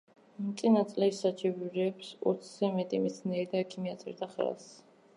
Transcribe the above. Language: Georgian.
წინა წლის საჩივრებს ოცზე მეტი მეცნიერი და ექიმი აწერდა ხელს.